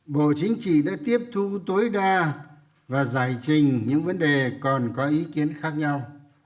bộ chính trị đã tiếp thu tối đa và giải trình những vấn đề còn có ý kiến khác nhau